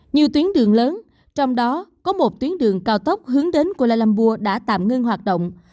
nhiều tuyến đường lớn trong đó có một tuyến đường cao tốc hướng đến kuala lumburg đã tạm ngưng hoạt động